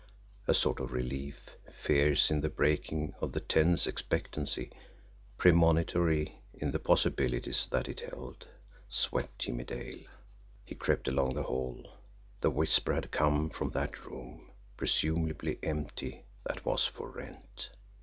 A sort of relief, fierce in the breaking of the tense expectancy, premonitory in the possibilities that it held, swept Jimmie Dale. He crept along the hall. The whisper had come from that room, presumably empty that was for rent!